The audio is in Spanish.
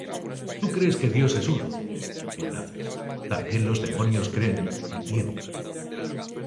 Tú crees que Dios es uno; bien haces: también los demonios creen, y tiemblan.